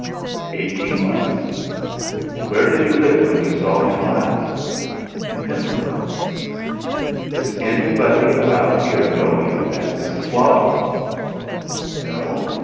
"Eighteen months." "Where did you live when you saw him last?" "In Pimlico." "Does anybody about here know you as Mrs. Walenn?" "No.